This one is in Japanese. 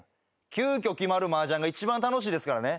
急きょ決まるマージャンが一番楽しいですからね。